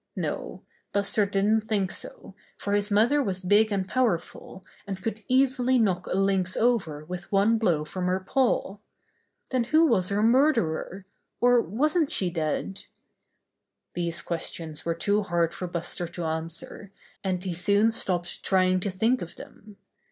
No, Buster didn't think so, for his mother was big and powerful, and could easily knock a lynx over with one blow from her paw. Then who was her murderer, or wasn't she dead? These questions were too hard for Buster to answer, and he soon stopped trying to think of them.